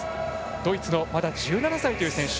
ドイツのまだ１７歳という選手。